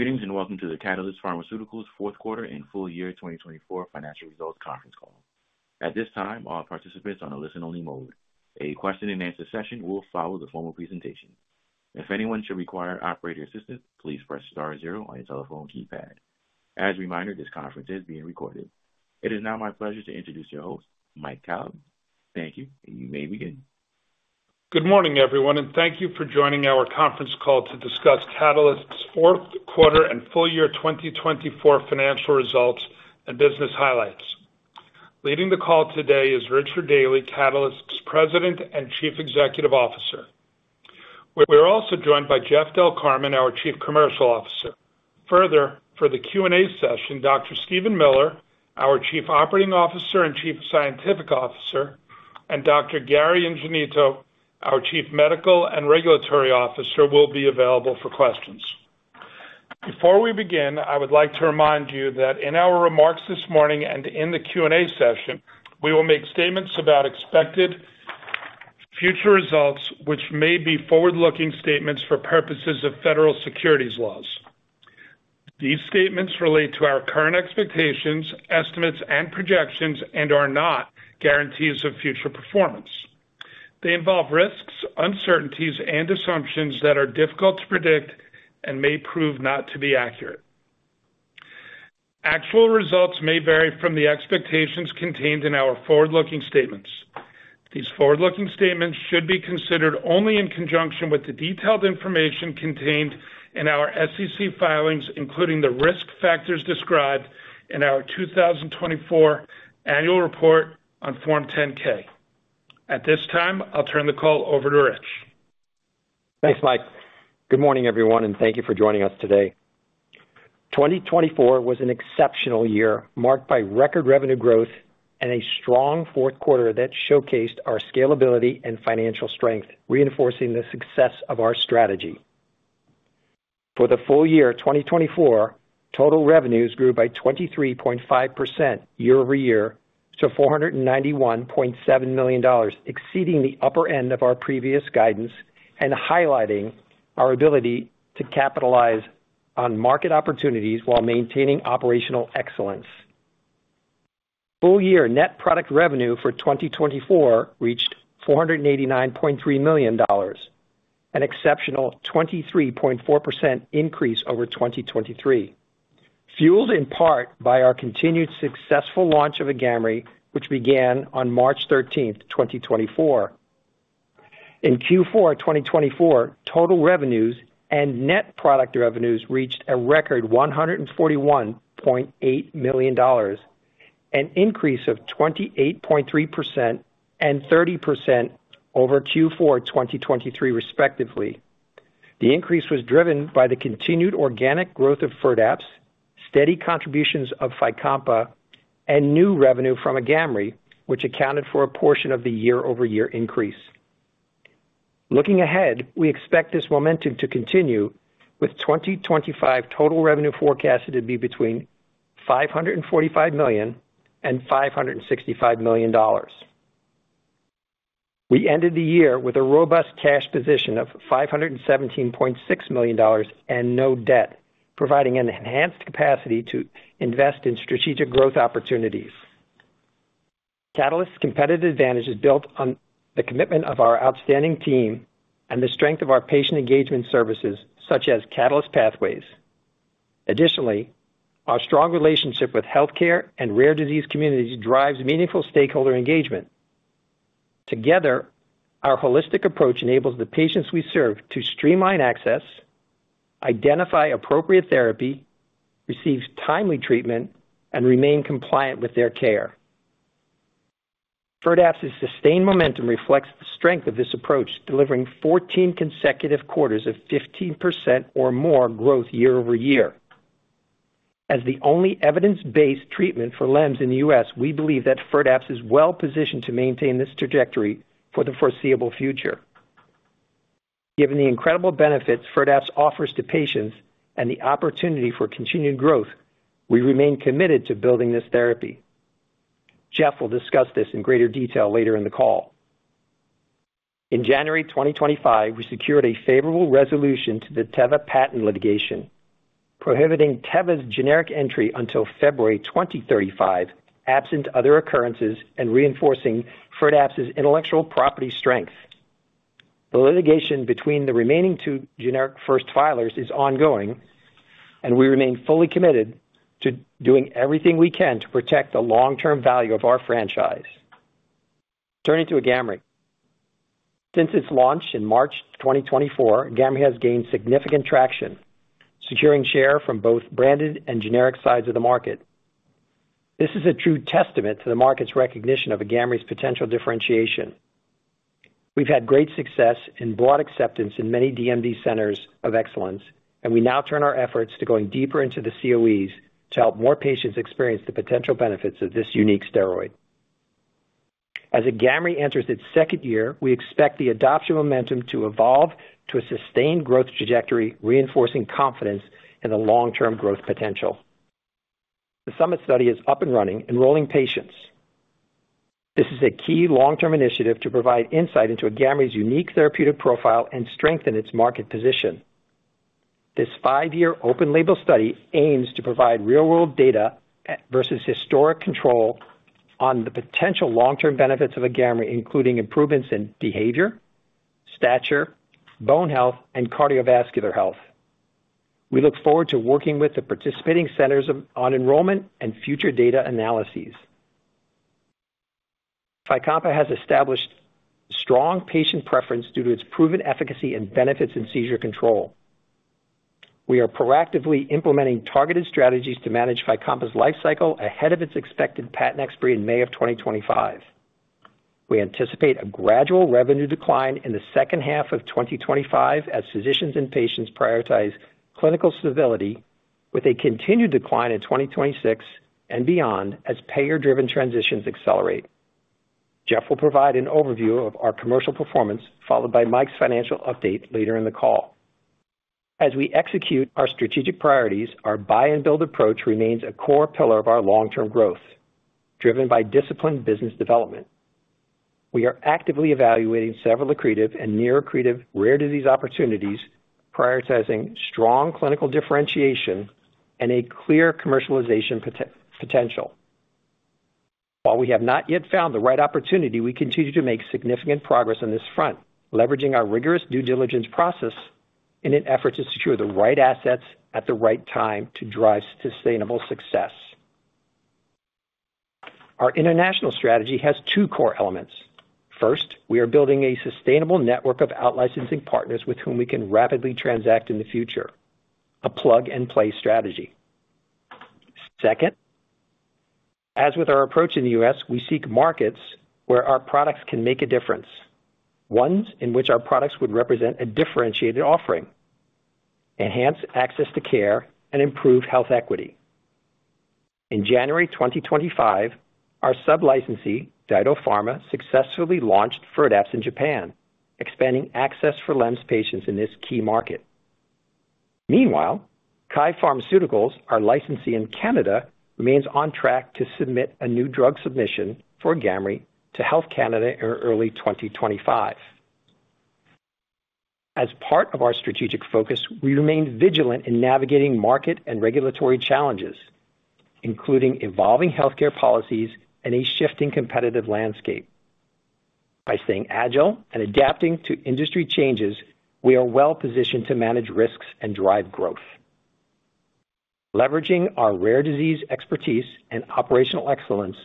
Greetings and welcome to the Catalyst Pharmaceuticals Q4 and Full Year 2024 Financial Results Conference Call. At this time, all participants on a listen-only mode. A question-and-answer session will follow the formal presentation. If anyone should require operating assistance, please press Star zero on your telephone keypad. As a reminder, this conference is being recorded. It is now my pleasure to introduce your host, Mike Kalb. Thank you and you may begin. Good morning everyone and thank you for joining our conference call to discuss Catalyst's Q4 and full year 2023 financial results and business highlights. Leading the call today is Richard Daly, Catalyst President and Chief Executive Officer. We're also joined by Jeff Del Carmen, our Chief Commercial Officer. Further for the Q&A session, Dr. Steven Miller, our Chief Operating Officer and Chief Scientific Officer, and Dr. Gary Ingenito, our Chief Medical and Regulatory Officer, will be available for questions. Before we begin, I would like to remind you that in our remarks this morning and in the Q&A session, we will make statements about expected future results which may be forward-looking statements for purposes of federal securities laws. These statements relate to our current expectations, estimates and projections and are not guarantees of future performance. They involve risks, uncertainties and assumptions that are difficult to predict and may prove not to be accurate. Actual results may vary from the expectations contained in our forward-looking statements. These forward-looking statements should be considered only in conjunction with the detailed information contained in our SEC filings, including the risk factors described in our 2024 Annual Report on Form 10-K. At this time, I'll turn the call over to Richard. Thanks, Mike. Good morning, everyone, and thank you for joining us today. 2024 was an exceptional year marked by record revenue growth and a strong Q4 that showcased our scalability and financial strength, reinforcing the success of our strategy. For the full year 2024, total revenues grew by 23.5% year-over-year to $491.7 million, exceeding the upper end of our previous guidance and highlighting our ability to capitalize on market opportunities while maintaining operational excellence. Full-year net product revenue for 2024 reached $489.3 million, an exceptional 23.4% increase over 2023, fueled in part by our continued successful launch of Agamree, which began on March 13, 2024. In Q4 2024, total revenues and net product revenues reached a record $141.8 million, an increase of 28.3% and 30% over Q4 2023 respectively. The increase was driven by the continued organic growth of Firdapse, steady contributions of Fycompa and new revenue from Agamree, which accounted for a portion of the year-over-year increase. Looking ahead, we expect this momentum to continue with 2025 total revenue forecasted to be between $545 million and $565 million. We ended the year with a robust cash position of $517.6 million and no debt, providing an enhanced capacity to invest in strategic growth opportunities. Catalyst's competitive advantage is built on the commitment of our outstanding team and the strength of our patient engagement services such as Catalyst Pathways. Additionally, our strong relationship with healthcare and rare disease communities drives meaningful stakeholder engagement. Together, our holistic approach enables the patients we serve to streamline access, identify appropriate therapy, receive timely treatment and remain compliant with their care. Firdapse's sustained momentum reflects the strength of this approach, delivering 14 consecutive quarters of 15% or more growth year-over-year. As the only evidence-based treatment for LEMS in the U.S., we believe that Firdapse is well positioned to maintain this trajectory for the foreseeable future. Given the incredible benefits Firdapse offers to patients and the opportunity for continued growth, we remain committed to building this therapy. Jeff will discuss this in greater detail later in the call. In January 2025, we secured a favorable resolution to the Teva patent litigation, prohibiting Teva's generic entry until February 2035, absent other occurrences and reinforcing Firdapse's intellectual property strength. The litigation between the remaining two generic first filers is ongoing and we remain fully committed to doing everything we can to protect the long term value of our franchise. Turning to Agamree since its launch in March 2024, Agamree has gained significant traction securing share from both branded and generic sides of the market. This is a true testament to the market's recognition of Agamree's potential differentiation. We've had great success and broad acceptance in many DMD Centers of Excellence and we now turn our efforts to going deeper into the COEs to help more patients experience the potential benefits of this unique steroid. As Agamree enters its second year, we expect the adoption momentum to evolve to a sustained growth trajectory, reinforcing confidence in the long-term growth potential. The SUMMIT Study is up and running enrolling patients. This is a key long-term initiative to provide insight into Agamree's unique therapeutic profile and strengthen its market position. This five-year open-label study aims to provide real-world data versus historic control on the potential long-term benefits of Agamree, including improvements in behavior, stature, bone health and cardiovascular health. We look forward to working with the participating centers on enrollment and future data analyses. Fycompa has established strong patient preference due to its proven efficacy and benefits in seizure control. We are proactively implementing targeted strategies to manage Fycompa's lifecycle ahead of its expected patent expiry in May of 2025. We anticipate a gradual revenue decline in the second half of 2025 as physicians and patients prioritize clinical efficacy, with a continued decline in 2026 and beyond as payer driven transitions accelerate. Jeff will provide an overview of our commercial performance followed by Mike's financial update later in the call. As we execute our strategic priorities, our buy and build approach remains a core pillar of our long term growth driven by disciplined business development. We are actively evaluating several accretive and near accretive rare disease opportunities, prioritizing strong clinical differentiation and a clear commercialization potential. While we have not yet found the right opportunity, we continue to make significant progress on this front, leveraging our rigorous due diligence process in an effort to secure the right assets at the right time to drive sustainable success. Our international strategy has two core elements. First, we are building a sustainable network of out-licensing partners with whom we can rapidly transact in the future, a plug-and-play strategy. Second, as with our approach in the U.S., we seek markets where our products can make a difference, ones in which our products would represent a differentiated offering, enhance access to care, and improve health equity. In January 2025, our sub-licensee DyDo Pharma successfully launched Firdapse in Japan, expanding access for LEMS patients in this key market. Meanwhile, KYE Pharmaceuticals, our licensee in Canada, remains on track to submit a New Drug Submission for Agamree to Health Canada in early 2025. As part of our strategic focus, we remain vigilant in navigating market and regulatory challenges including evolving healthcare policies and a shifting competitive landscape. By staying agile and adapting to industry changes, we are well positioned to manage risks and drive growth. Leveraging our rare disease expertise and operational excellence.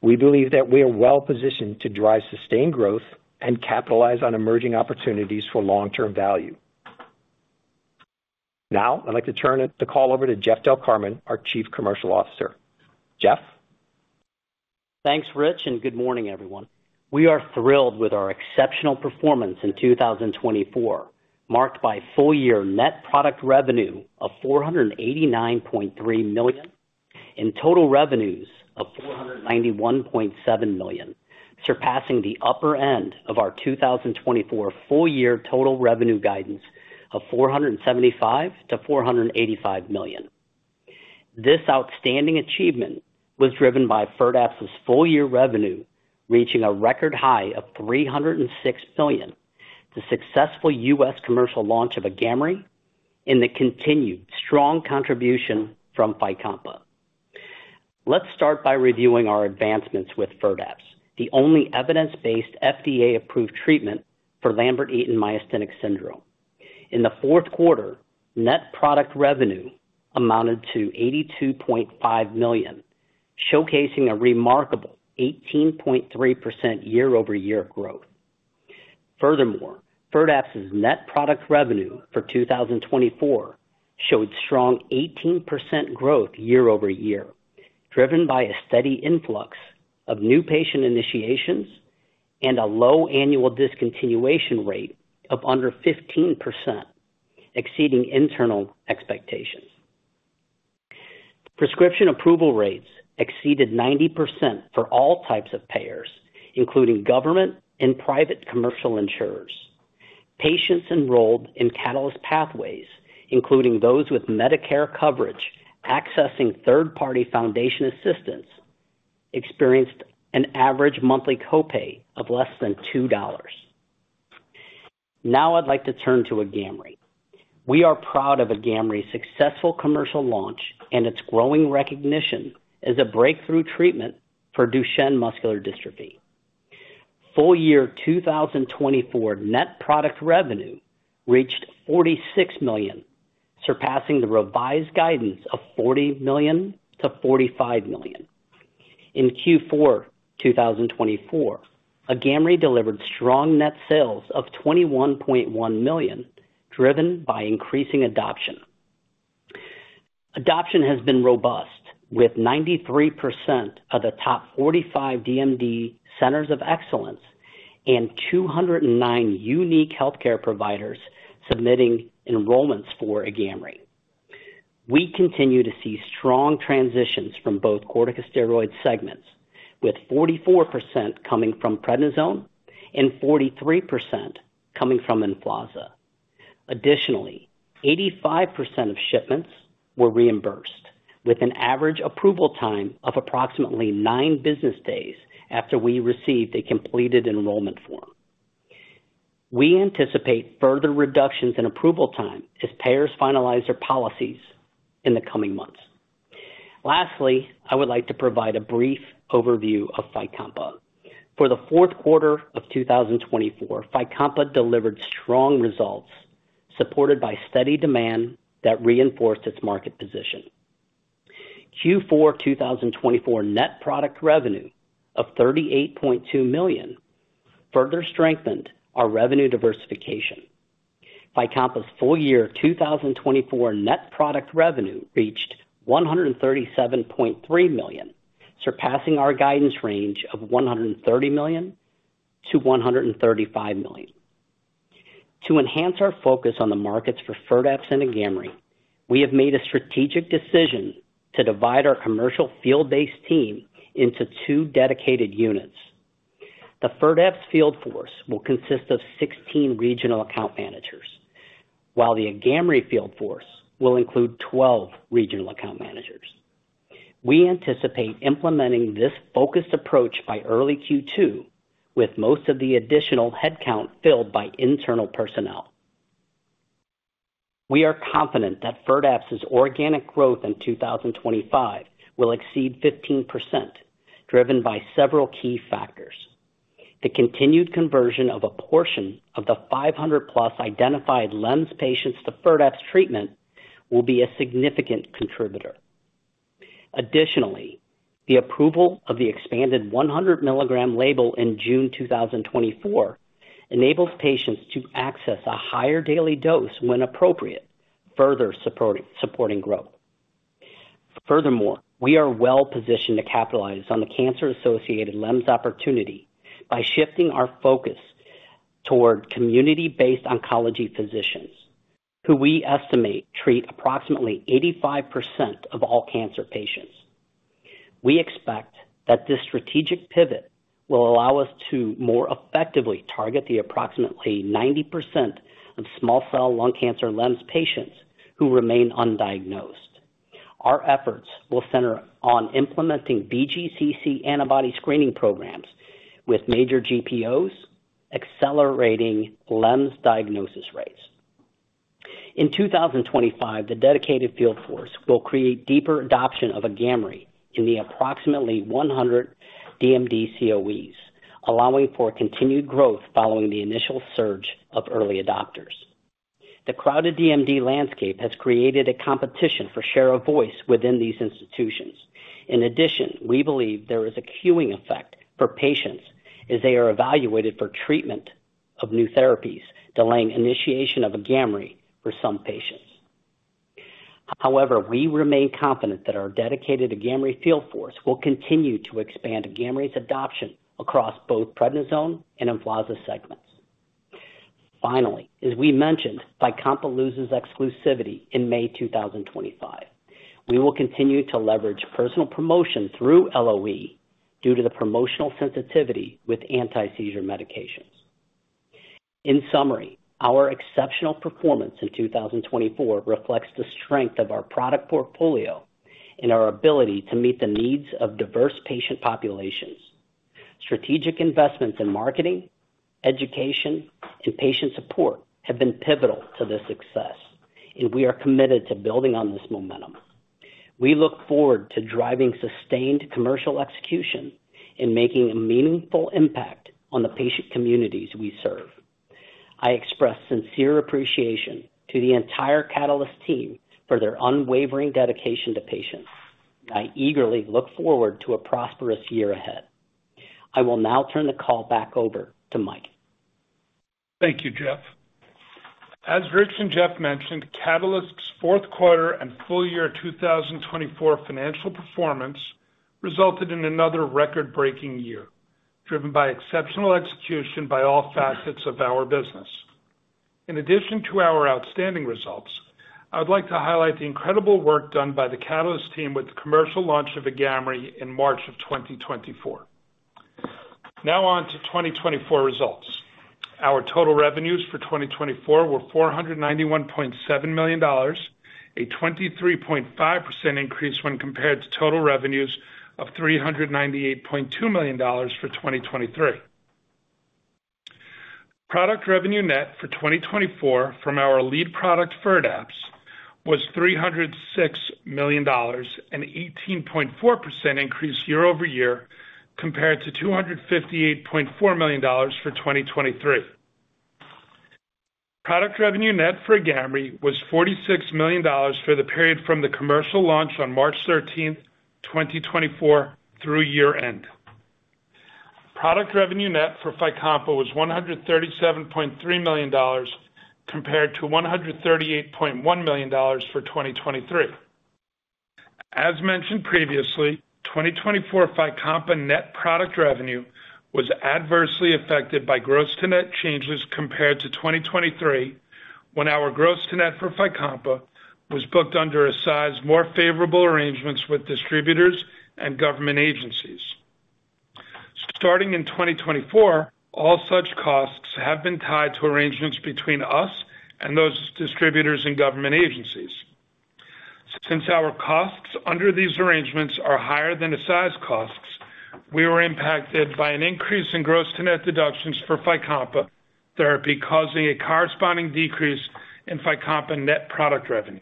We believe that we are well positioned to drive sustained growth and capitalize on emerging opportunities for long-term value. Now I'd like to turn the call over to Jeff Del Carmen, our Chief Commercial Officer. Jeff, thanks Rich, and good morning everyone. We are thrilled with our exceptional performance in 2024, marked by full year net product revenue of $489.3 million and total revenues of $491.7 million, surpassing the upper end of our 2024 full year total revenue guidance $475 million-$485 million. This outstanding achievement was driven by Firdapse's full year revenue reaching a record high of $306 million, the successful U.S. commercial launch of Agamree and the continued strong contribution from Fycompa. Let's start by reviewing our advancements with Firdapse, the only evidence-based FDA approved treatment for Lambert-Eaton Myasthenic Syndrome. In the Q4, net product revenue amounted to $82.5 million, showcasing a remarkable 18.3% year-over-year growth. Furthermore, Firdapse's net product revenue for 2024 showed strong 18% growth year-over-year, driven by a steady influx of new patient initiations and a low annual discontinuation rate of under 15%, exceeding internal expectations. Prescription approval rates exceeded 90% for all types of payers including government and private commercial insurers. Patients enrolled in Catalyst Pathways, including those with Medicare coverage accessing third party foundation assistance, experienced an average monthly copay of less than $2. Now I'd like to turn to Agamree. We are proud of Agamree's successful commercial launch and its growing recognition as a breakthrough treatment for Duchenne muscular dystrophy. Full year 2024 net product revenue reached $46 million, surpassing the revised guidance of $40 million-$45 million. In Q4 2024, Agamree delivered strong net sales of $21.1 million, driven by increasing adoption. Adoption has been robust with 93% of the top 45 DMD centers of excellence and 209 unique healthcare providers submitting enrollments for Agamree. We continue to see strong transitions from both corticosteroids segments with 44% coming from prednisone and 43% coming from Emflaza. Additionally, 85% of shipments were reimbursed with an average approval time of approximately nine business days after we received a completed enrollment form. We anticipate further reductions in approval time as payers finalize their policies in the coming months. Lastly, I would like to provide a brief overview of Fycompa. For the Q4 of 2024, Fycompa delivered strong results supported by steady demand that reinforced its market position. Q4 2024 net product revenue of $38.2 million further strengthened our revenue diversification. Fycompa's full year 2024 net product revenue reached $137.3 million, surpassing our guidance range of $130 million-$135 million. To enhance our focus on the markets for Firdapse and Agamree, we have made a strategic decision to divide our commercial field based team into two dedicated units. The Firdapse field force will consist of 16 regional account managers while the Agamree field force will include 12 regional account managers. We anticipate implementing this focused approach by early Q2 with most of the additional headcount filled by internal personnel. We are confident that Firdapse's organic growth in 2025 will exceed 15% driven by several key factors. The continued conversion of a portion of the 500-plus identified LEMS patients to Firdapse treatment will be a significant contributor. Additionally, the approval of the expanded 100mg label in June 2024 enables patients to access a higher daily dose when appropriate, further supporting growth. Furthermore, we are well positioned to capitalize on the cancer-associated LEMS opportunity by shifting our focus toward community based oncology physicians who we estimate treat approximately 85% of all cancer patients. We expect that this strategic pivot will allow us to more effectively target the approximately 90% of small cell lung cancer LEMS patients who remain undiagnosed. Our efforts will center on implementing VGCC antibody screening programs with major GPOs, accelerating LEMS diagnosis rates. In 2025. The dedicated field force will create deeper adoption of Agamree in the approximately 100 DMD COEs, allowing for continued growth following the initial surge of early adopters. The crowded DMD landscape has created a competition for share of voice within these institutions. In addition, we believe there is a queuing effect for patients as they are evaluated for treatment of new therapies, delaying initiation of Agamree for some patients. However, we remain confident that our dedicated Agamree field force will continue to expand Agamree's adoption across both prednisone and Emflaza segments. Finally, as we mentioned, Fycompa loses exclusivity in May 2025. We will continue to leverage personal promotion through LOE due to the promotional sensitivity with anti-seizure medications. In summary, our exceptional performance in 2024 reflects the strength of our product portfolio and our ability to meet the needs of diverse patient populations. Strategic investments in marketing, education and patient support have been pivotal to this success and we are committed to building on this momentum. We look forward to driving sustained commercial execution in making a meaningful impact on the patient communities we serve. I express sincere appreciation to the entire Catalyst team for their unwavering dedication to patients. I eagerly look forward to a prosperous year ahead. I will now turn the call back over to Mike. Thank you Jeff. As Rich and Jeff mentioned, Catalyst's Q4 and full year 2024 financial performance resulted in another record breaking year driven by exceptional execution by all facets of our business. In addition to our outstanding results, I would like to highlight the incredible work done by the Catalyst team with the commercial launch of Agamree in March of 2024. Now on to 2024 results. Our total revenues for 2024 were $491.7 million, a 23.5% increase when compared to total revenues of $398.2 million for 2023. Product revenue net for 2024 from our lead product Firdapse was $306 million, an 18.4% increase year-over-year compared to $258.4 million for 2023. Net product revenue for Agamree was $46 million for the period from the commercial launch on March 13, 2024 through year end. Net product revenue for Fycompa was $137.3 million compared to $138.1 million for 2023. As mentioned previously, 2024 Fycompa net product revenue was adversely affected by gross-to-net changes compared to 2023 when our gross-to-net for Fycompa was booked under Eisai's more favorable arrangements with distributors and government agencies. Starting in 2024, all such costs have been tied to arrangements between us and those distributors and government agencies. Since our costs under these arrangements are higher than Eisai costs, we were impacted by an increase in gross-to-net deductions for Fycompa therapy causing a corresponding decrease in Fycompa net product revenue.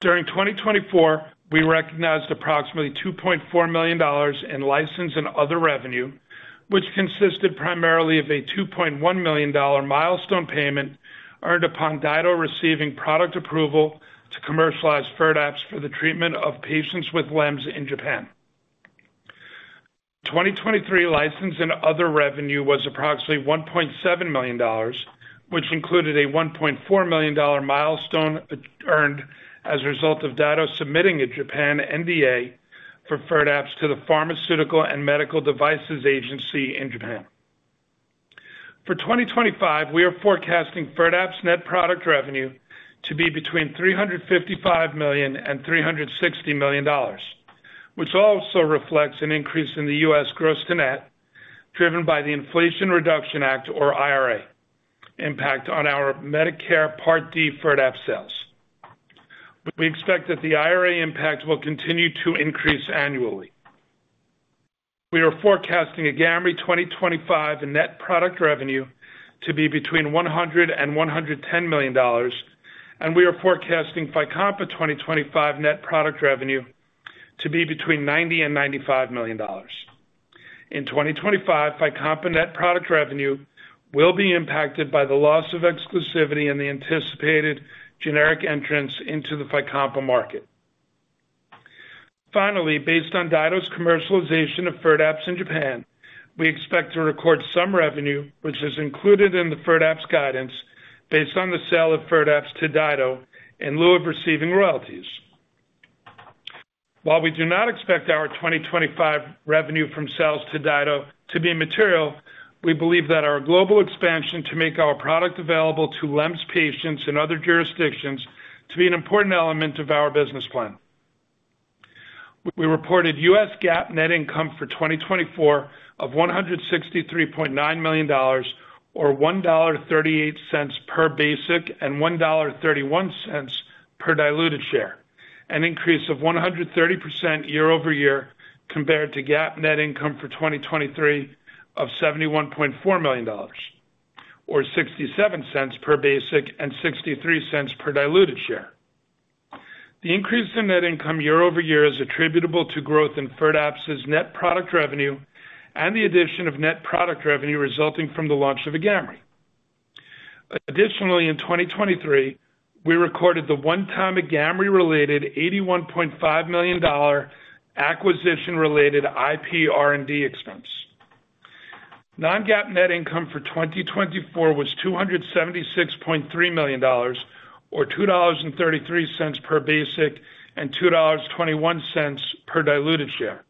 During 2024. We recognized approximately $2.4 million in license and other revenue which consisted primarily of a $2.1 million milestone payment earned upon DyDo receiving product approval to commercialize Firdapse for the treatment of patients with LEMS in Japan. 2023 license and other revenue was approximately $1.7 million, which included a $1.4 million milestone earned as a result of DyDo submitting a Japan NDA for Firdapse to the Pharmaceuticals and Medical Devices Agency in Japan for 2025. We are forecasting Firdapse net product revenue to be between $355 million and $360 million, which also reflects an increase in the U.S. gross-to-net driven by the Inflation Reduction Act or IRA impact on our Medicare Part D Firdapse sales. We expect that the IRA impact will continue to increase annually. We are forecasting an Agamree 2025 net product revenue to be between $100 million and $110 million and we are forecasting Fycompa 2025 net product revenue to be between $90 million and $95 million. In 2025, Fycompa net product revenue will be impacted by the loss of exclusivity and the anticipated generic entrance into the Fycompa market. Finally, based on DyDo's commercialization of Firdapse in Japan, we expect to record some revenue which is included in the Firdapse guidance based on the sale of Firdapse to DyDo in lieu of receiving royalties. While we do not expect our 2025 revenue from sales to DyDo to be material, we believe that our global expansion to make our product available to LEMS patients in other jurisdictions to be an important element of our business plan. We reported U.S. GAAP net income for 2024 of $163.9 million or $1.38 per basic and $1.31 per diluted share, an increase of 130% year-over-year compared to GAAP net income for 2023 of $71.4 million or $0.67 per basic and $0.63 per diluted share. The increase in net income year-over-year is attributable to growth in Firdapse's net product revenue and the addition of net product revenue resulting from the launch of Agamree. Additionally, in 2023 we recorded the one-time Agamree related $81.5 million acquisition related IPR&D expense. Non-GAAP net income for 2024 was $276.3 million or $2.33 per basic and $2.21 per diluted share,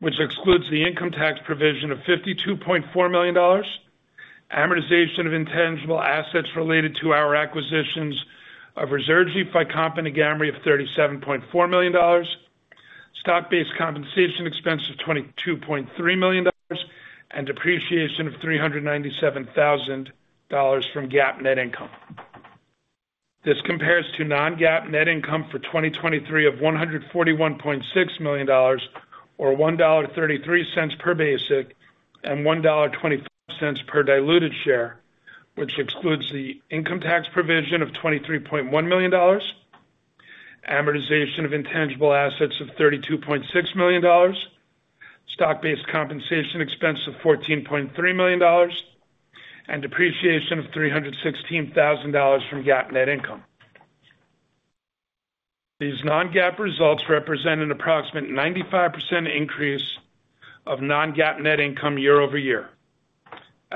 which excludes the income tax provision of $52.4 million, amortization of intangible assets related to our acquisitions of Firdapse, Fycompa, Agamree of $37.4 million, stock-based compensation expense of $22.3 million, and depreciation of $397,000 from GAAP net income. This compares to Non-GAAP net income for 2023 of $141.6 million or $1.33 per basic and $1.25 per diluted share, which excludes the income tax provision of $23.1 million, amortization of intangible assets of $32.6 million, stock-based compensation expense of $14.3 million, and depreciation of $316,000 from GAAP net income. These non-GAAP results represent an approximate 95% increase of non-GAAP net income year-over-year.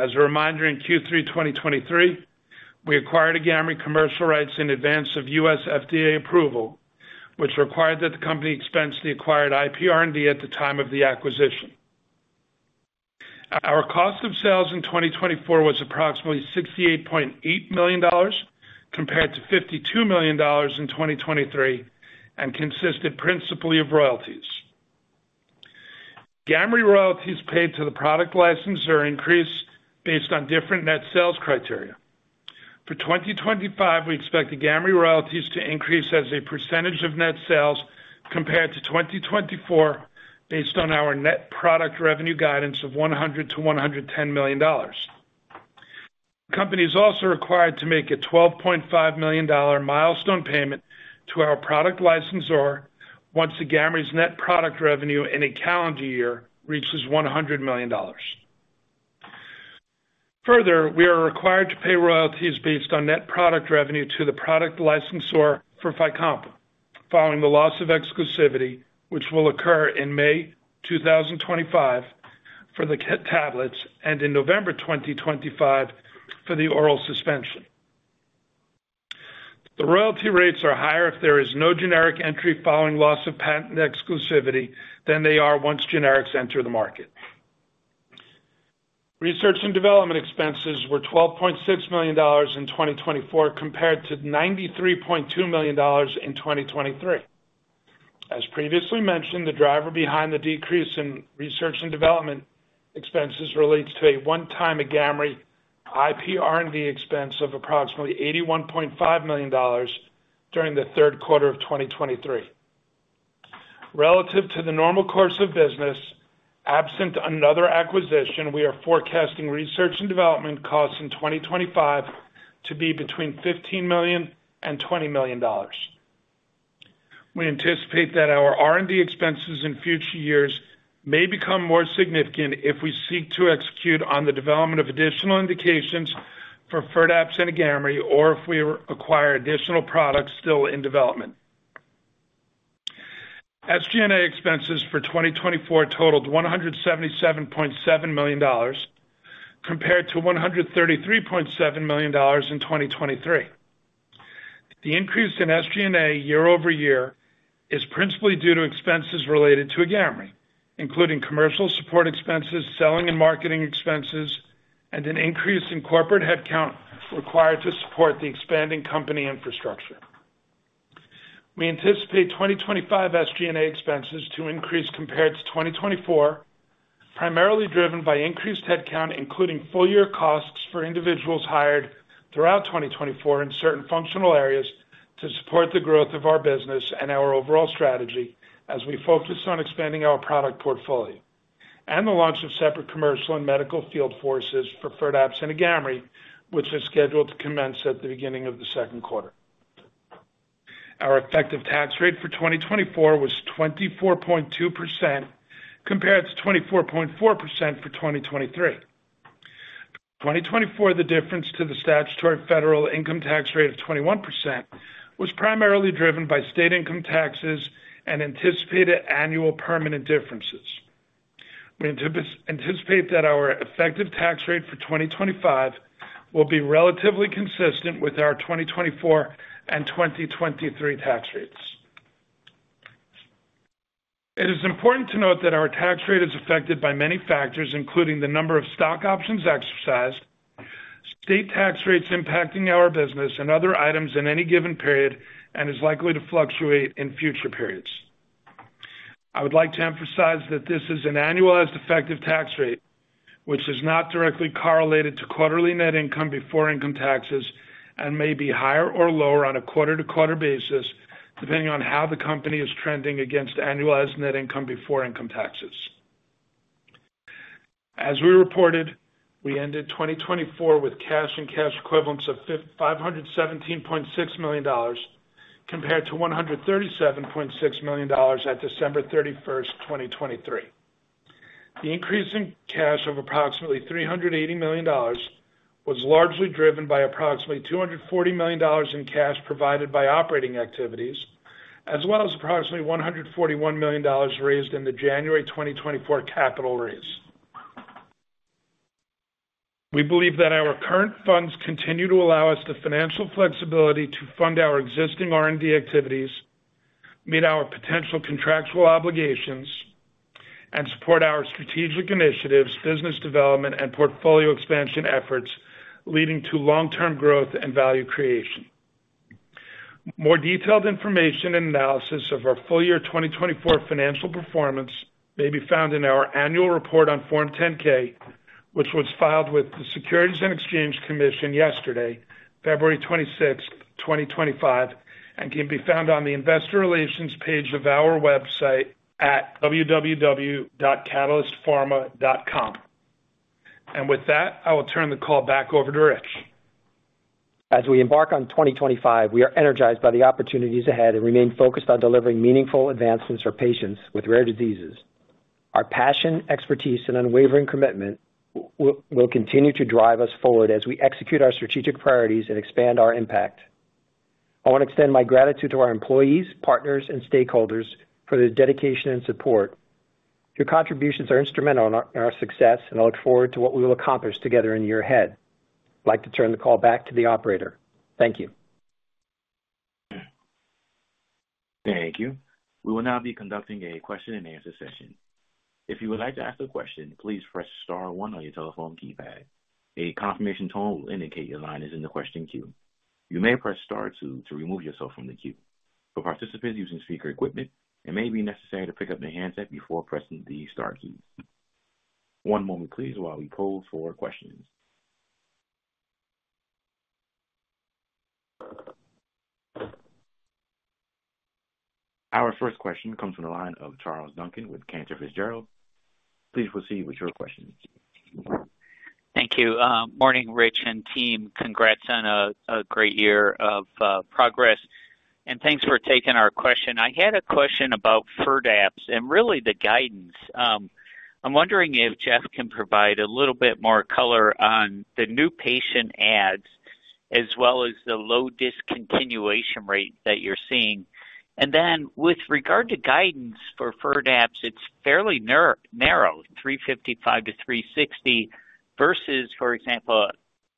As a reminder, in Q3 2023 we acquired Agamree commercial rights in advance of U.S. FDA approval, which required that the company expense the acquired IPR&D at the time of the acquisition. Our cost of sales in 2024 was approximately $68.8 million compared to $52 million in 2023 and consisted principally of royalties. Agamree royalties paid to the product licensor are increased based on different net sales criteria. For 2025, we expect the Agamree royalties to increase as a percentage of net sales compared to 2024 based on our net product revenue guidance of $100 million-$110 million. The company is also required to make a $12.5 million milestone payment to our product licensor once the Agamree's net product revenue in a calendar year reaches $100 million. Further, we are required to pay royalties based on net product revenue to the product licensor for Fycompa following the loss of exclusivity which will occur in May 2025 for the tablets and in November 2025 for the oral suspension. The royalty rates are higher if there is no generic entry following loss of patent exclusivity than they are once generics enter the market. Research and development expenses were $12.6 million in 2024 compared to $93.2 million in 2023. As previously mentioned, the driver behind the decrease in research and development expenses relates to a one-time Agamree IPR&D expense of approximately $81.5 million during the Q3 of 2023 relative to the normal course of business. Absent another acquisition, we are forecasting research and development costs in 2025 to be between $15 million and $20 million. We anticipate that our R&D expenses in future years may become more significant if we seek to execute on the development of additional indications for Firdapse and Agamree or if we acquire additional products still in development. SG&A expenses for 2024 totaled $177.7 million compared to $133.7 million in 2023. The increase in SG&A year-over-year is principally due to expenses related to Agamree including commercial support expenses, selling and marketing expenses, and an increase in corporate headcount required to support the expanding company infrastructure. We anticipate 2025 SG&A expenses to increase compared to 2024 primarily driven by increased headcount including full year costs for individuals hired throughout 2024 in certain functional areas to support the growth of our business and our overall strategy. As we focus on expanding our product portfolio and the launch of separate commercial and medical field forces for Firdapse and Agamree, which is scheduled to commence at the beginning of the Q2. Our effective tax rate for 2024 was 24.2% compared to 24.4% for 2023. The difference to the statutory federal income tax rate of 21% was primarily driven by state income taxes and anticipated annual permanent differences. We anticipate that our effective tax rate for 2025 will be relatively consistent with our 2024 and 2023 tax rates. It is important to note that our tax rate is affected by many factors, including the number of stock options exercised, state tax rates impacting our business and other items in any given period, and is likely to fluctuate in future periods. I would like to emphasize that this is an annualized effective tax rate which is not directly correlated to quarterly net income before income taxes and may be higher or lower on a quarter to quarter basis depending on how the company is trending against annualized net income before income taxes. As we reported, we ended 2024 with cash and cash equivalents of $517.6 million compared to $137.6 million at December 31, 2023. The increase in cash of approximately $380 million was largely driven by approximately $240 million in cash provided by operating activities as well as approximately $141 million raised in the January 2024 capital raise. We believe that our current funds continue to allow us the financial flexibility to fund our existing R&D activities, meet our potential contractual obligations, and support our strategic initiatives, business development and portfolio expansion efforts leading to long-term growth and value creation. More detailed information and analysis of our full year 2024 financial performance may be found in our annual report on Form 10-K, which was filed with the Securities and Exchange Commission yesterday, February 26, 2025, and can be found on the Investor Relations page of our website at www.catalystpharma.com, and with that I will turn the call back over to Richard. As we Embark on 2025, we are energized by the opportunities ahead and remain focused on delivering meaningful advancements for patients with rare diseases. Our passion, expertise and unwavering commitment will continue to drive us forward as we execute our strategic priorities and expand our impact. I want to extend my gratitude to our employees, partners and stakeholders for their dedication and support. Your contributions are instrumental in our success and I look forward to what we will accomplish together in the year ahead. Like to turn the call back to the operator. Thank you. Thank you. We will now be conducting a question and answer session. If you would like to ask a question, please press star one on your telephone keypad. A confirmation tone will indicate your line. Is in the question queue. You may press star two to remove yourself from the queue. For participants using speaker equipment, it may be necessary to pick up the handset before pressing the star key. One moment, please. While we poll for questions. Our first Question comes from the line of Charles Duncan with Cantor Fitzgerald. Please proceed with your questions. Thank you. Morning, Rich and team. Congrats on a great year of progress and thanks for taking our question. I had a question about Firdapse and really the guidance. I'm wondering if Jeff can provide a little bit more color on the new patient adds as well as the low discontinuation rate that you're seeing. And then with regard to guidance for Firdapse, it's fairly narrow, 355 to 360 versus for example,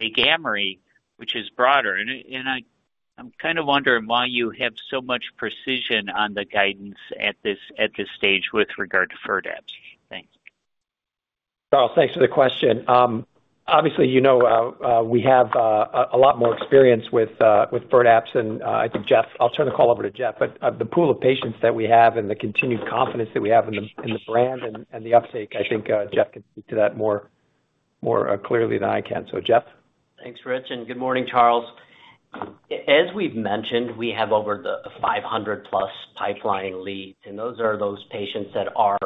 Agamree, which is broader. And I'm kind of wondering why you have so much precision on the guidance at this stage with regard to Firdapse.Thanks, Charles. Thanks for the question. Obviously, you know, we have a lot more experience with Firdapse and I think, Jeff. I'll turn the call over to Jeff. But the pool of patients that we have and the continued confidence that we have in the brand and the uptake, I think Jeff can speak to that more clearly than I can. So, Jeff. Thanks, Rich, and good morning, Charles. As we've mentioned, we have over 500-plus pipeline leads, and those are those patients that are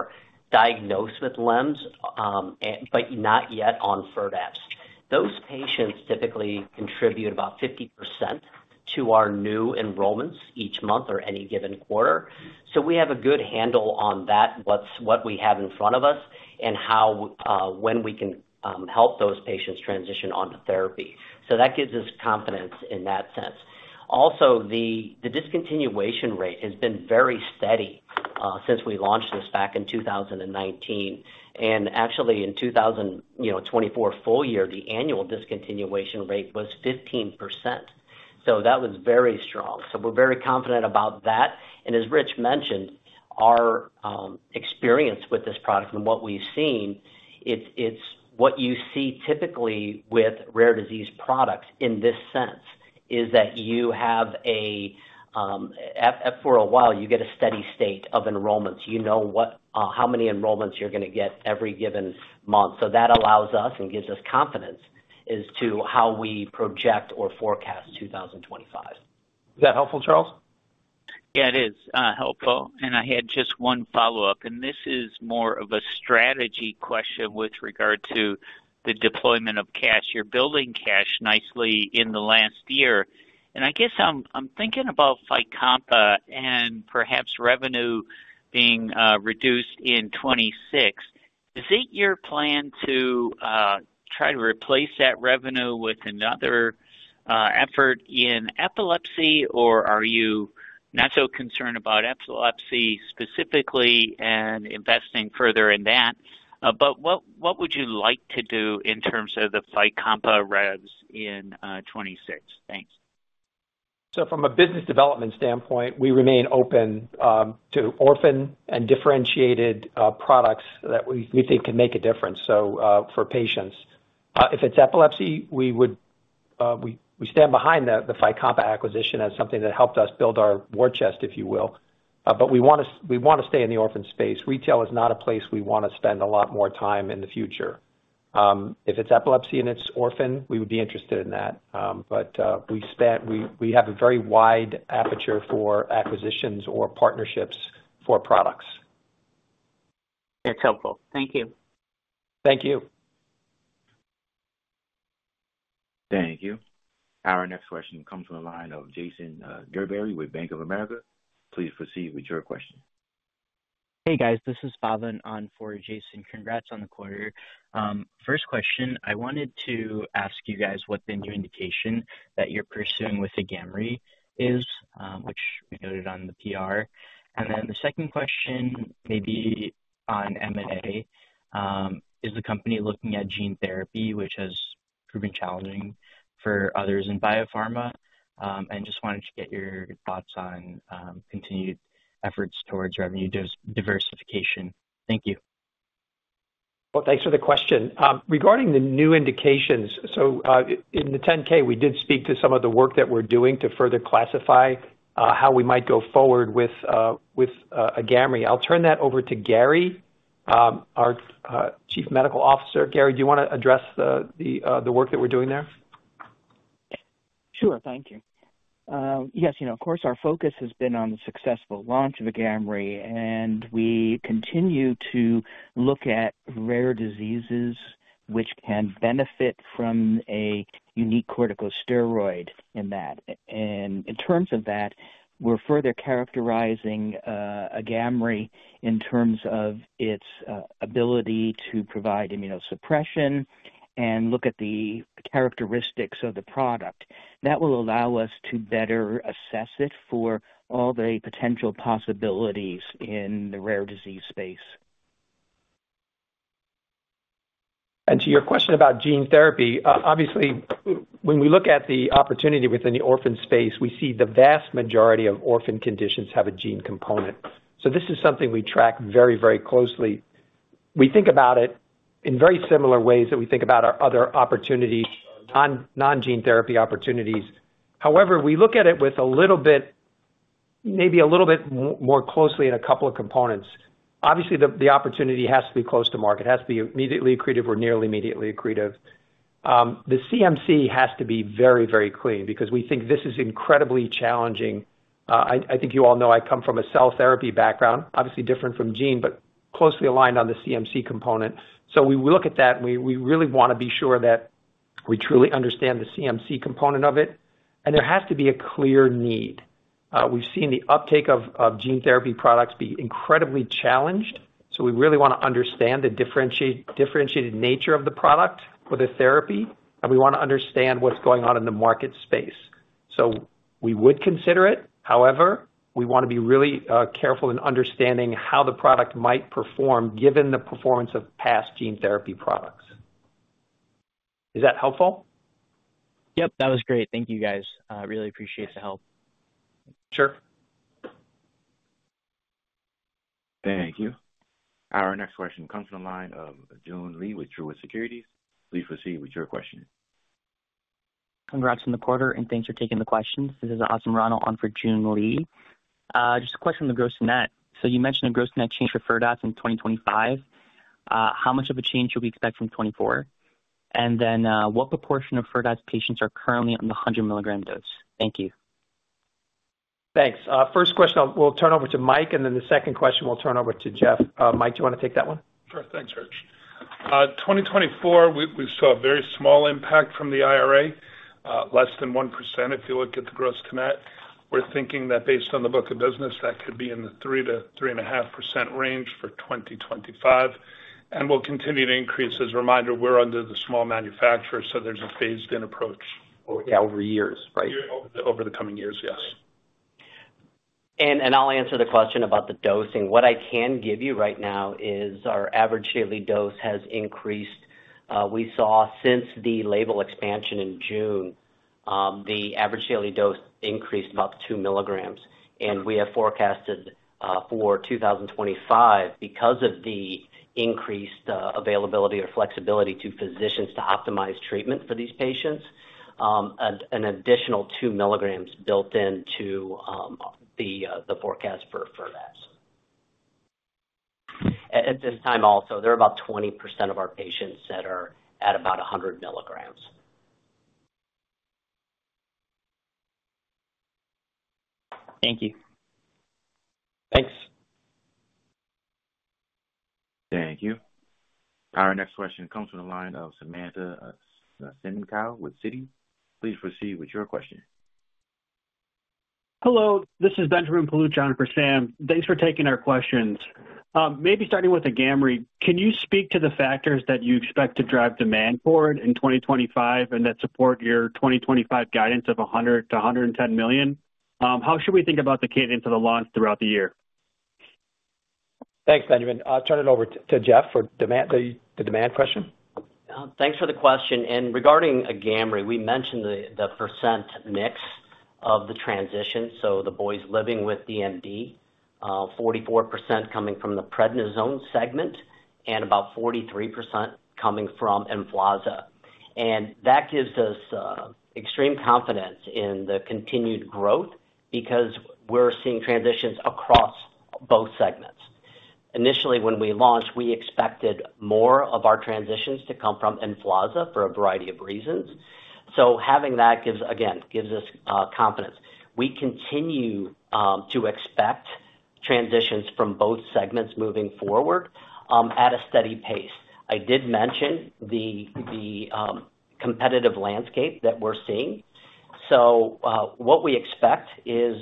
diagnosed with LEMS, but not yet on Firdapse. Those patients typically contribute about 50% to our new enrollments each month or any given quarter. So we have a good handle on that, what we have in front of us and how when we can help those patients transition onto therapy. So that gives us confidence in that sense. Also, the discontinuation rate has been very steady since we launched this back in 2019. And actually in 2024, full year, the annual discontinuation rate was 15%. So that was very strong. So we're very confident about that. As Rich mentioned, our experience with this product and what we've seen, it's what you see typically with rare disease products. In this sense, you have a, for a while, steady state of enrollments. You know what, how many enrollments you're going to get every given month. So that allows us and gives us confidence as to how we project or forecast 2025. Is that helpful, Charles? Yeah, it is helpful. And I had just one follow up, and this is more of a strategy question with regard to the deployment of cash. You're building cash nicely in the last year, and I guess I'm thinking about Fycompa and perhaps revenue being reduced in 2026. Is it your plan to try to replace that revenue with another effort in epilepsy, or are you not so concerned about epilepsy specifically and investing further in that? But what would you like to do in terms of the Fycompa revs in 2026? Thanks. So, from a business development standpoint, we remain open to orphan and differentiated products that we think can make a difference. So for patients, if it's epilepsy, we would. We stand behind the Fycompa acquisition as something that helped us build our war chest, if you will. But we want to. We want to stay in the orphan space. Retail is not a place we want to spend a lot more time in the future. If it's epilepsy and it's orphan, we would be interested in that. But we spent. We have a very wide aperture for acquisitions or partnerships for products. That's helpful. Thank you. Thank you. Thank you. Our next question comes from the line of Jason Gerberry with Bank of America. Please proceed with your question. Hey, guys, this is Bhavin on for Jason. Congrats on the quarter. First question, I wanted to ask you guys what the new indication that you're pursuing with Agamree is, which we noted on the PR. And then the second question may be. On M&A. Is the company looking at gene therapy, which has proven challenging for others in biopharma? And just wanted to get your thoughts on continued efforts towards revenue diversification. Thank you. Thanks for the question regarding the new indications. In the 10-K, we did speak to some of the work that we're doing to further classify how we might go forward with Agamree. I'll turn that over to Gary, our Chief Medical Officer. Gary, do you want to address the work that we're doing there? Sure. Thank you. Yes. You know, of course, our focus has. Been on the successful launch of Agamree, and we continue to look at rare diseases which can benefit from a unique corticosteroid. In that, and in terms of that, we're further characterizing Agamree in terms of its ability to provide immunosuppression and look at the characteristics of the product that will allow us to better assess it for all the potential possibilities in the rare disease Space. And to your question about gene therapy, obviously when we look at the opportunity within the orphan space, we see the vast majority of orphan conditions have a gene component. So this is something we track very, very closely. We think about it in very similar ways that we think about our other opportunities, non-gene therapy opportunities. However, we look at it with a little bit, maybe a little bit more closely in a couple of components. Obviously the opportunity has to be close to market. It has to be immediately accretive or nearly immediately accretive. The CMC has to be very, very clean because we think this is incredibly challenging. I think you all know I come from a cell therapy background, obviously different from gene, but closely aligned on the CMC component. So we look at that and we really want to be sure that we truly understand the CMC component of it. And there has to be a clear need. We've seen the uptake of gene therapy products be incredibly challenged. So we really want to understand the differentiated nature of the product or the therapy and we want to understand what's going on in the market space. So we would consider it. However, we want to be really careful in understanding how the product might perform given the performance of past gene therapy products. Is that helpful? Yep. That was great. Thank you guys. Really appreciate the help. Sure. Thank you. Our next question comes from the line of Joon Lee with Truist Securities. Please proceed with your question. Congrats on the quarter and thanks for taking the questions. This is awesome. Ronald on for Joon Lee, just a. Question on the gross-to-net. So you mentioned a gross-to-net change for us in 2025. How much of a change should we expect from 2024? And then what proportion of Firdapse's patients. Are currently on the 100 milligram dose? Thank you. Thanks. First question we'll turn over to Mike. And then the second question we'll turn over to Jeff. Mike, do you want to take that one? Sure. Thanks, Rich. 2024 we saw a very small impact from the IRA, less than 1%. If you look at the gross-to-net, we're thinking that based on the book of business, that could be in the 3%-3.5% range for 2025 and we'll continue to increase. As a reminder, we're under the small manufacturer. So there's a phased in approach over years, right? Over the coming years, yes. I'll answer the question about the dosing. What I can give you right now is our average daily dose has increased. We saw since the label expansion in June, the average daily dose increased about 2 mg, and we have forecasted for 2025 because of the increased availability or flexibility to physicians to optimize treatment for these patients, an additional 2 mg built into the forecast for that.At this time. Also, there are about 20% of our patients that are at about 100 mg. Thank you. Thanks. Thank you. Our next question comes from the line of Samantha Semenkow with Citi. Please proceed with your question. Hello, this is Benjamin Paluch for Sam. Thanks for taking our questions. Maybe starting with Agamree, can you speak to the factors that you expect to drive demand for in 2025 and that support your 2025 guidance of $100 million-$110 million? How should we think about the cadence of the launch throughout the year? Thanks, Benjamin. I'll turn it over to Jeff for the demand question. Thanks for the question. Regarding Agamree, we mentioned the percent mix of the transition. The boys living with DMD, 44% coming from the prednisone segment and about 43% coming from Emflaza. That gives us extreme confidence in the continued growth because we're seeing transitions across both segments. Initially when we launched we expected more of our transitions to come from Emflaza for a variety of reasons. Having that again gives us confidence. We continue to expect transitions from both segments moving forward at a steady pace. I did mention the competitive landscape that we're seeing. What we expect is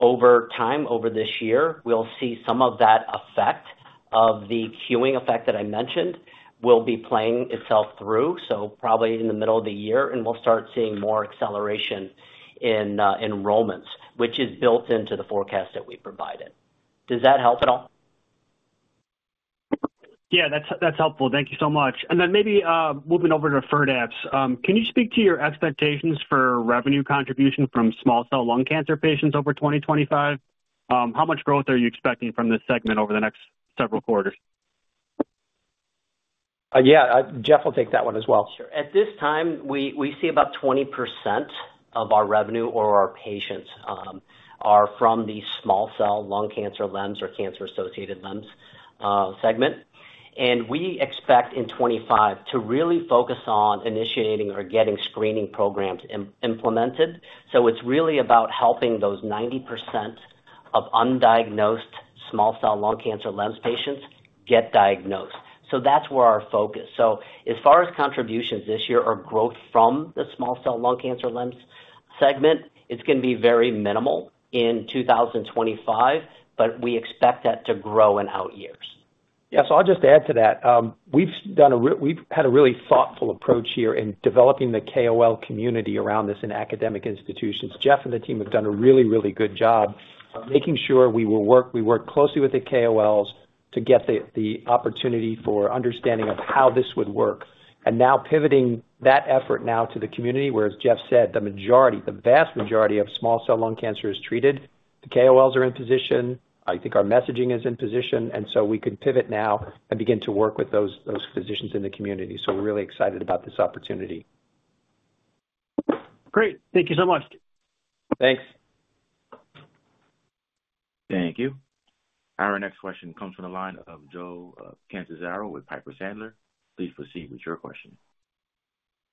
over time, over this year we'll see some of that effect of the queuing effect that I mentioned will be playing itself through. So probably in the middle of the year and we'll start seeing more acceleration in enrollments which is built into the forecast that we provided. Does that help at all? Yeah, that's helpful. Thank you so much. Then maybe moving over to Firdapse, can you speak to your expectations for revenue contribution from small cell lung cancer patients over 2025? How much growth are you expecting from this segment over the next several quarters? Yeah, Jeff will take that one as well. Sure. At this time we see about 20% of our revenue or our patients are from the small cell lung cancer LEMS or cancer-associated LEMS segment. We expect in 2025 to really focus on initiating or getting screening programs implemented. So it's really about helping those 90% of undiagnosed small cell lung cancer LEMS patients get diagnosed. So that's where our focus. As far as contributions this year or growth from the small cell lung cancer LEMS segment, it's going to be very minimal in 2025. But we expect that to grow in out years. Yeah. So I'll just add to that. We've had a really thoughtful approach here in developing the KOL community around this in academic institutions. Jeff and the team have done a really, really good job making sure we will work. We work closely with the KOLs to get the opportunity for understanding of how this would work. And now pivoting that effort now to the community where, as Jeff said, the majority, the vast majority of small cell lung cancer is treated. The KOLs are in position. I think our messaging is in position. And so we could pivot now and begin to work with those physicians in the community. So we're really excited about this opportunity. Great.Thank you so much. Thanks. Thank you. Our next question comes from the line of Joe with Piper Sandler. Please proceed with your question.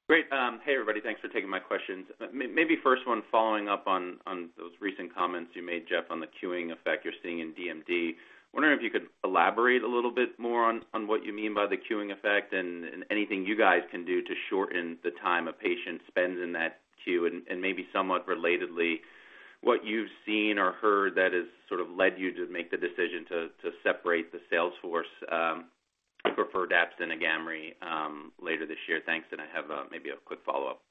Great. Hey everybody. Thanks for taking my questions. My first one. Following up on those recent comments you made, Jeff, on the cueing effect you're seeing in DMD, wondering if you could elaborate a little bit more on what you mean by the cueing effect and anything you guys can do to shorten the time a patient spends in that cue and maybe somewhat relatedly, what you've seen or heard that is sort of led you to make the decision to separate the sales force for Firdapse and Agamree later this year. Thanks. I have maybe a quick follow up.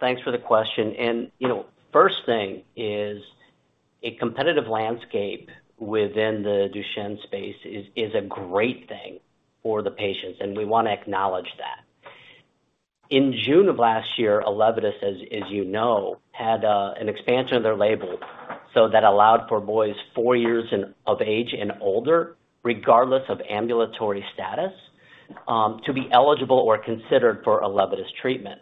Thanks for the question. And you know, first thing is a competitive landscape within the Duchenne space is a great thing for the patients. And we want to acknowledge that in June of last year, Elevidys, as you know, had an expansion of their label. So that allowed for boys four years of age and older, regardless of ambulatory status, to be eligible or considered for an Elevidys treatment.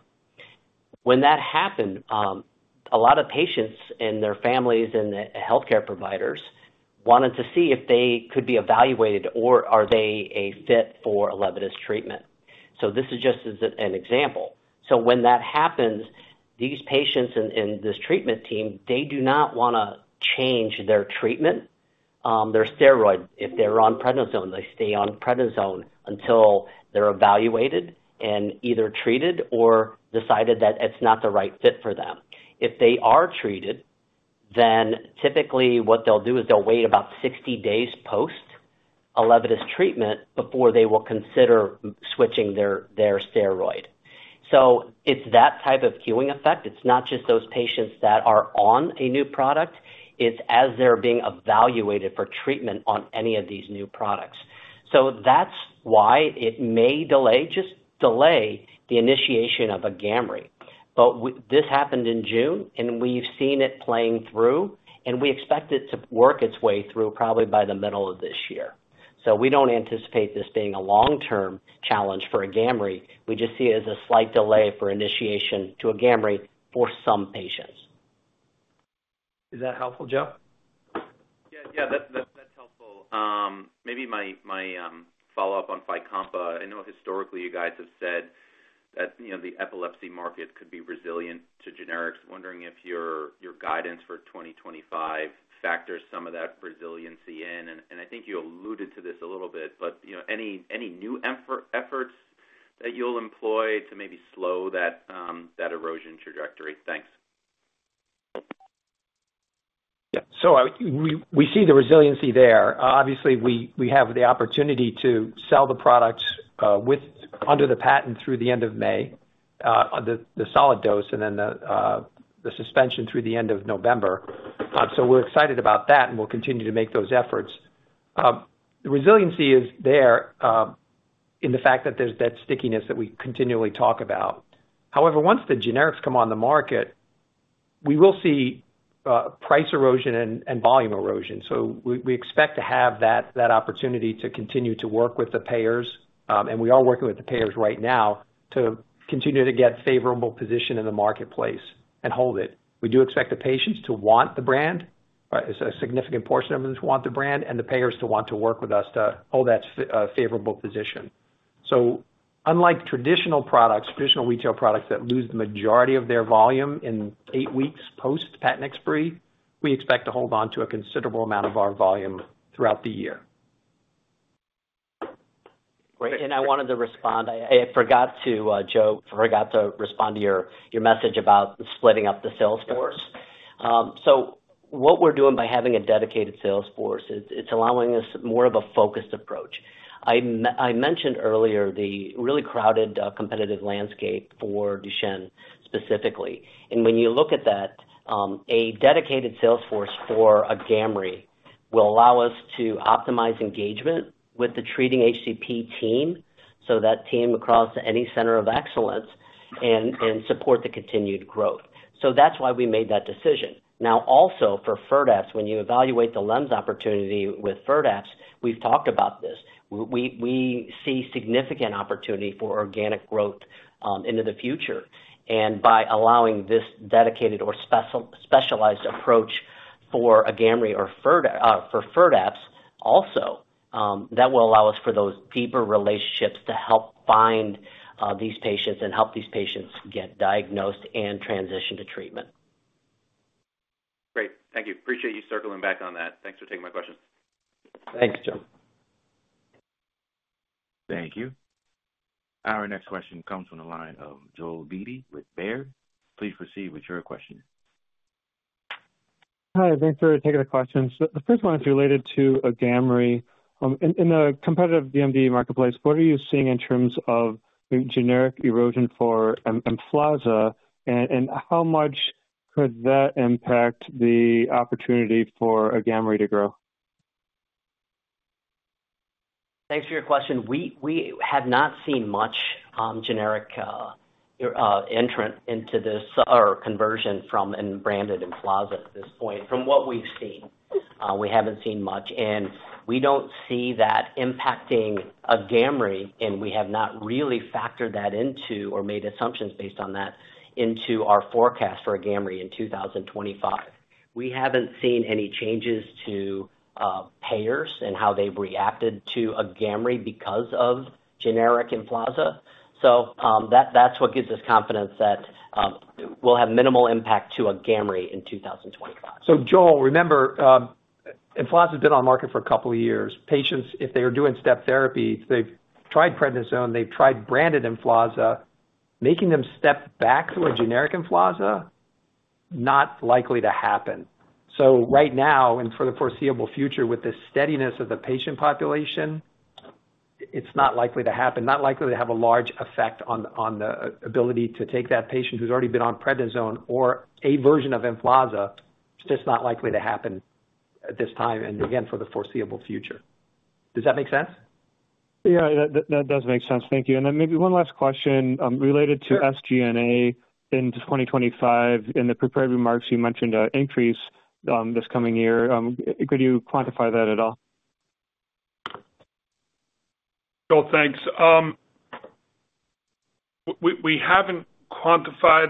When that happened, a lot of patients and their families and healthcare providers wanted to see if they could be evaluated or are they a fit for Elevidys treatment. So this is just an example. So when that happens, these patients in this treatment team, they do not want to change their treatment their steroid. If they're on prednisone, they stay on prednisone until they're evaluated and either treated or decided that it's not the right fit for them. If they are treated, then typically what they'll do is they'll wait about 60 days post Elevidys treatment before they will consider switching their steroid. So it's that type of cueing effect. It's not just those patients that are on a new product. It's as they're being evaluated for treatment on any of these new products. So that's why it may delay, just delay the initiation of Agamree. But this happened in June and we've seen it playing through and we expect it to work its way through probably by the middle of this year. So we don't anticipate this being a long term challenge for Agamree. We just see it as a slight delay for initiation to Agamree for some patients. Is that helpful, Joe? Yeah, yeah, that's helpful. Maybe my follow up on Fycompa. I know historically you guys have said that the epilepsy market could be resilient to generics. Wondering if your guidance for 2025 factors some of that resiliency in and I think you alluded to this a little bit, but any new efforts that you'll employ to maybe slow that erosion trajectory? Thanks. So we see the resiliency there. Obviously we have the opportunity to sell the products under the patent through the end of May, the solid dose and then the suspension through the end of November. So we're excited about that and we'll continue to make those efforts. The resiliency is there in the fact that there's that stickiness that we continually talk about. However, once the generics come on the market, we will see price erosion and volume erosion. So we expect to have that opportunity to continue to work with the payers and we are working with the payers right now to continue to get favorable position in the marketplace and hold it. We do expect the patients to want the brand, a significant portion of them to want the brand and the payers to want to work with us to hold that favorable position. So unlike traditional products, traditional retail products that lose the majority of their volume in eight weeks post patent expiry, we expect to hold on to a considerable amount of our volume throughout the year. Great. I wanted to respond, I forgot to. Joe, forgot to respond to your, your message about splitting up the sales force. So what we're doing by having a dedicated sales force, it's allowing us more of a focused approach. I mentioned earlier the really crowded competitive landscape for Duchenne specifically. When you look at that, a dedicated sales force for Agamree will allow us to optimize engagement with the treating HCP team so that team across any center of excellence and support the continued growth. So that's why we made that decision. Now also for Firdapse, when you evaluate the LEMS opportunity with Firdapse, we've talked about this, we see significant opportunity for organic growth into the future and by allowing this dedicated or specialized approach for Agamree or Firdapse also, that will allow us for those deeper relationships to help find these patients and help these patients get diagnosed and transition to treatment. Great. Thank you. Appreciate you circling back on that. Thanks for taking my questions. Thanks, Joe. Thank you. Our next question comes from the line of Joel Beatty with Baird. Please proceed with your question. Hi. Thanks for taking the questions. The first one is related to Agamree in the competitive DMD marketplace. What are you seeing in terms of generic erosion for Emflaza and how much could that impact the opportunity for Agamree to grow? Thanks for your question. We have not seen much generic entrant into this or conversion from our branded Emflaza at this point. From what we've seen, we haven't seen much and we don't see that impacting Agamree and we have not really factored that into or made assumptions based on that into our forecast for Agamree in 2025. We haven't seen any changes to payers and how they've reacted to Agamree because of generic Emflaza. So that's what gives us confidence that we'll have minimal impact to Agamree in 2025. So Joel, remember Emflaza has been on market for a couple of years. Patients, if they are doing step therapy, they've tried prednisone, they've tried branded Emflaza, making them step back to a generic Emflaza. Not likely to happen. So right now and for the foreseeable future, with the steadiness of the patient population, it's not likely to happen. Not likely to have a large effect on the ability to take that patient who's already been on prednisone or a version of Emflaza, it's just not likely to happen at this time and again for the foreseeable future. Does that make sense? Yeah, that does make sense. Thank you. And then maybe one last question related to SG&A in 2025. In the prepared remarks you mentioned increase this coming year. Could you quantify that at all? Joel, thanks. We haven't quantified.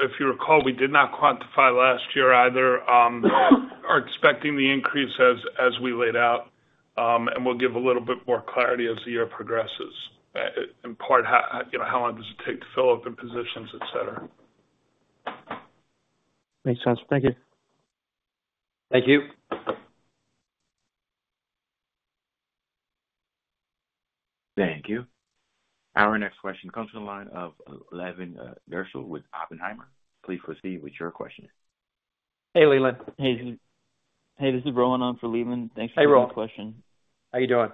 If you recall, we did not quantify last year either. We're expecting the increase as we laid out and we'll give a little bit more clarity as the year progresses in part, how long does it take to fill open positions, et cetera. Makes sense. Thank you. Thank you. Thank you. Our next question comes from the line of Leland Gershell with Oppenheimer, please proceed with your question. Hey, Leland. Hey. This is Rohan. I'm for Leland. Thanks for taking the question. How you doing?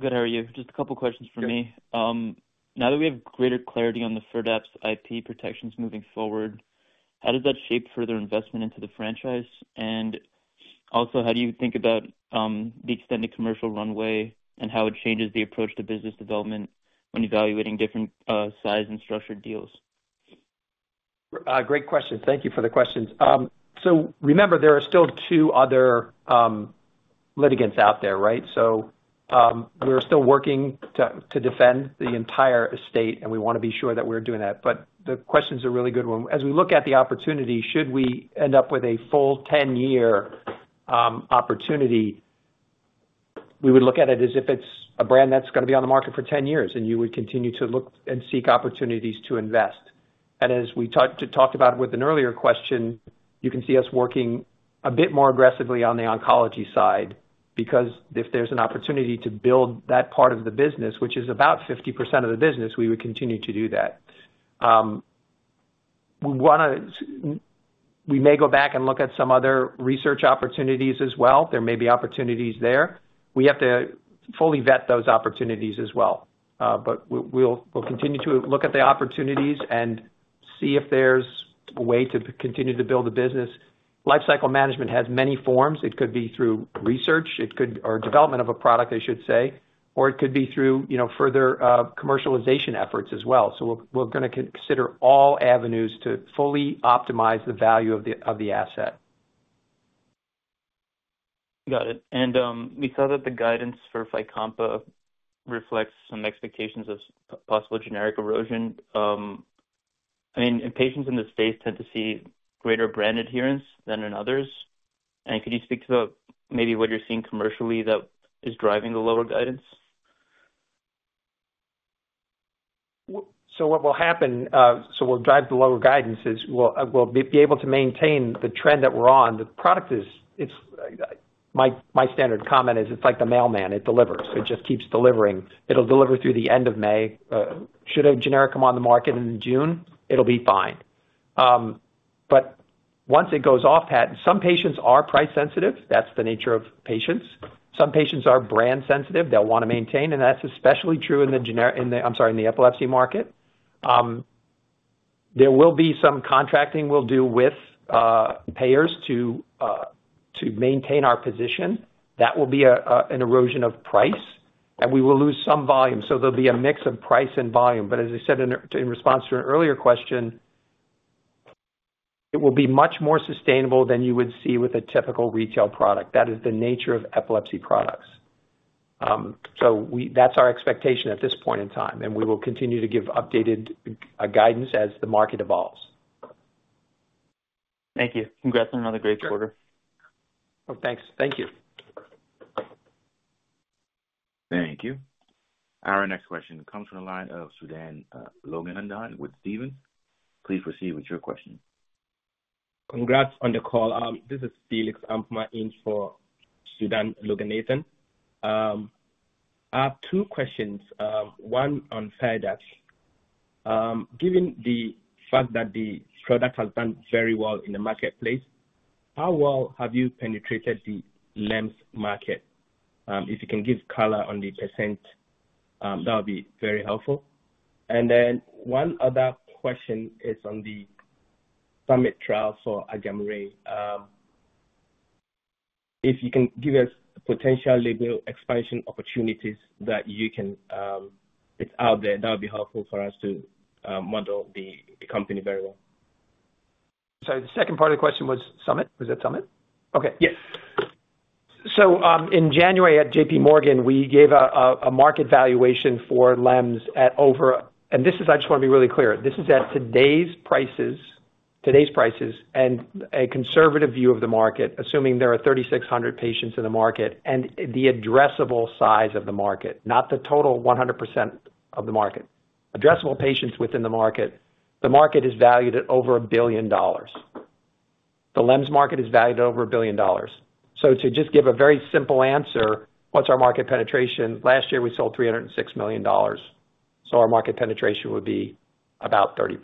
Good, how are you? Just a couple questions for me. Now that we have greater clarity on the Firdapse IP protections moving forward, how does that shape further investment into the franchise? And also how do you think about the extended commercial runway and how it changes the approach to business development when evaluating different sized and structured deals? Great question. Thank you for the questions. So remember, there are still two other litigants out there, right. So we're still working to defend the entire estate and we want to be sure that we're doing that. But the question's a really good one. As we look at the opportunity, should we end up with a full 10 year opportunity, we would look at it as if it's a brand that's going to be on the market for 10 years and you would continue to look and seek opportunities to invest. And as we talked about with an earlier question, you can see us working a bit more aggressively on the oncology side because if there's an opportunity to build that part of the business, which is about 50% of the business, we would continue to do that. We may go back and look at some other research opportunities as well. There may be opportunities there. We have to fully vet those opportunities as well. But we'll continue to look at the opportunities and see if there's a way to continue to build the business. Lifecycle management has many forms. It could be through research or development of a product, I should say, or it could be through further commercialization efforts as well. So we're going to consider all avenues to fully optimize the value of the asset. Got it. And we saw that the guidance for Fycompa reflects some expectations of possible generic erosion. I mean, patients in this space tend to see greater brand adherence than in others. And can you speak to maybe what you're seeing commercially that is driving the lower guidance? So, what will happen? So, we'll drive the lower guidance is we'll be able to maintain the trend that we're on. The product is. My standard comment is it's like the mailman. It delivers, it just keeps delivering. It'll deliver through the end of May. Should have generic come on the market in June, it'll be fine. But once it goes off patent, some patients are price sensitive. That's the nature of patients. Some patients are brand sensitive. They'll want to maintain. And that's especially true in the generic. I'm sorry, in the epilepsy market. There will be some contracting we'll do with payers to maintain our position. That will be an erosion of price and we will lose some volume. So there'll be a mix of price and volume. But as I said in response to an earlier question.It will be much more sustainable than you would see with a typical retail product. That is the nature of epilepsy products. So that's our expectation at this point in time. And we will continue to give updated guidance as the market evolves. Thank you. Congrats on another great quarter. Thanks. Thank you. Thank you. Our next question comes from the line of Sudan Loganathan with Stephens. Please proceed with your question. Congrats on the call. This is Felix I'm in for Sudan Loganathan. I have two questions. One on Firdapse. Given the fact that the product has done very well in the marketplace, how well have you penetrated the LEMS market? If you can give color on the percentage, that would be very helpful. And then one other question is on the SUMMIT trial for Agamree. If you Can give us potential label expansion opportunities that you can? It's out there, that would be helpful. For us to model the company very well. So the second part of the question was SUMMIT. Was that SUMMIT? Okay, yes. So in January at JPMorgan, we gave a market valuation for LEMS at over. And this is. I just want to be really clear. This is at today's prices. Today's prices and a conservative view of the market. Assuming there are 3,600 patients in the market and the addressable size of the market, not the total 100% of the market, addressable patients within the market. The market is valued at over a billion dollars. The LEMS market is valued at over a billion dollars. So to just give a very simple answer, what's our market penetration? Last year we sold $306 million. So our market penetration would be about 30%.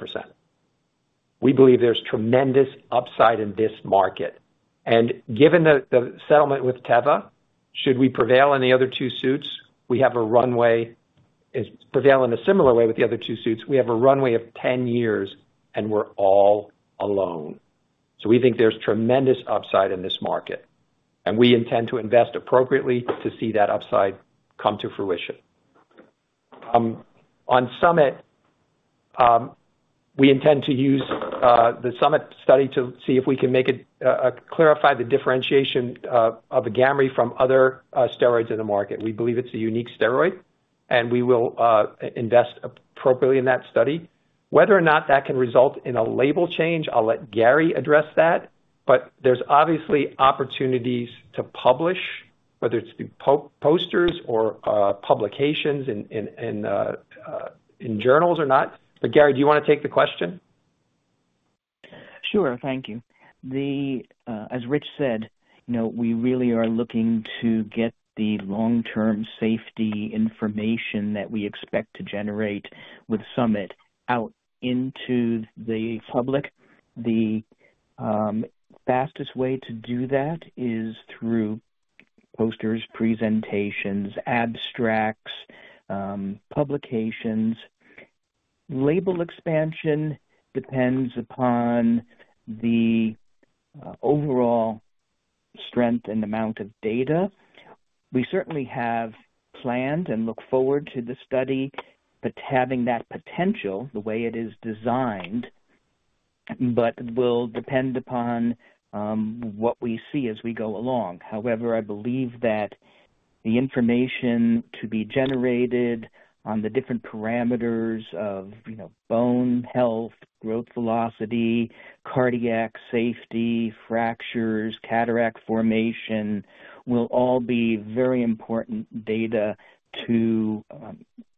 We believe there's tremendous upside in this market. And given the settlement with Teva, should we prevail on the other two suits? We have a runway. Prevail in a similar way with the other two suits. We have a runway of 10 years and we're all alone. So we think there's tremendous upside in this market and we intend to invest appropriately to see that upside come to fruition. On SUMMIT. We intend to use the SUMMIT Study to see if we can make it clarify the differentiation of Agamree from other steroids in the market. We believe it's a unique steroid and we will invest appropriately in that study. Whether or not that can result in a label change. I'll let Gary address that. But there's obviously opportunities to publish, whether it's through posters or publications. In journals or not, but Gary, do you want to take the question? Sure. Thank you. As Rich said, we really are looking to get the long term safety information that we expect to generate with SUMMIT out into the public. The fastest way to do that is through posters, presentations, abstracts, publications. Label expansion depends upon the overall strength and amount of data. We certainly have planned and look forward to the study, but having that potential the way it is designed, but will depend upon what we see as we go along. However, I believe that the information to be generated on the different parameters of, you know, bone health, growth velocity, cardiac safety, fractures, cataract formation will all be very important data to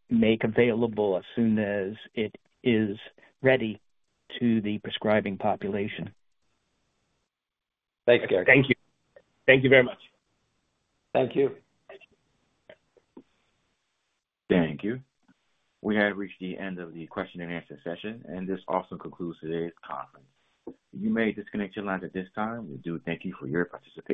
make available as soon as it is ready to the prescribing population. Thanks, Gary. Thank you. Thank you very much. Thank you. Thank you. We have reached the end of the question and answer session and this also concludes today's conference. You may disconnect your lines at this time. We do thank you for your participation.